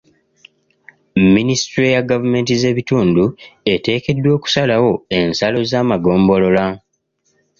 Minisutule ya gavumenti z'ebitundu eteekeddwa okusalawo ensalo z'amagombolola.